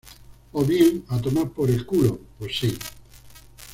O bien: a tomar por el culo... ¡pues sí!